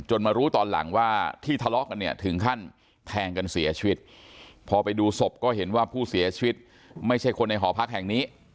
มารู้ตอนหลังว่าที่ทะเลาะกันเนี่ยถึงขั้นแทงกันเสียชีวิตพอไปดูศพก็เห็นว่าผู้เสียชีวิตไม่ใช่คนในหอพักแห่งนี้